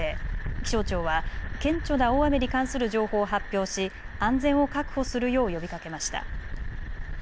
気象庁は顕著な大雨に関する情報を発表し、安全を確保するよう呼びかけました。